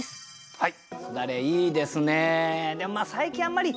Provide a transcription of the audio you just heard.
はい。